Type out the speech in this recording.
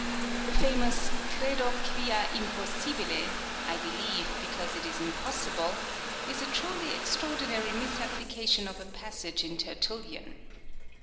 The famous " Credo quia impossibile "(" I be lieve because it is impossible ") is a truly extra ordinary misapplication of a passage in TertuUian.